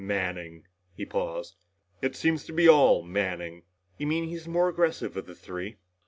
"Manning." He paused. "It seems to be all Manning!" "You mean he's the more aggressive of the three?"